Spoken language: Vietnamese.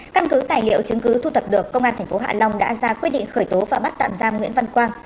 căn cứ tài liệu chứng cứ thu tập được công an thành phố hạ long đã ra quyết định khởi tố và bắt tạm giam nguyễn văn quang